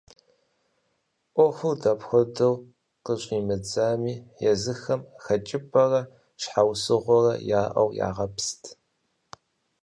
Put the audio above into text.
Ӏуэхур дапхуэдэу къыщӏимыдзами, езыхэм хэкӏыпӏэрэ щхьэусыгъуэрэ яӏэу ягъэпст.